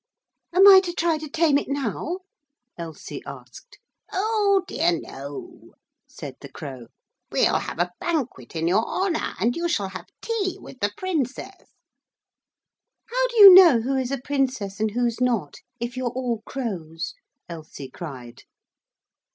'Am I to try to tame it now?' Elsie asked. 'Oh dear no,' said the Crow. 'We'll have a banquet in your honour, and you shall have tea with the Princess.' 'How do you know who is a princess and who's not, if you're all crows?' Elsie cried.